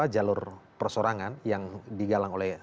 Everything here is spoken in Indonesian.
jalur persorangan yang digalang oleh